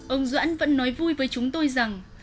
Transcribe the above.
ông doãn vẫn nói vui với chúng tôi rằng